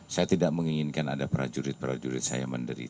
saya tidak menginginkan ada prajurit prajurit saya menderita